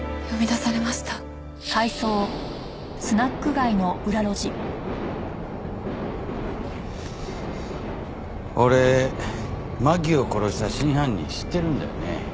俺真輝を殺した真犯人知ってるんだよね。